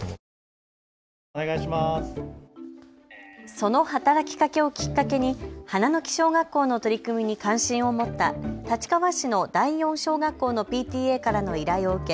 その働きかけをきっかけに花の木小学校の取り組みに関心を持った立川市の第四小学校のＰＴＡからの依頼を受け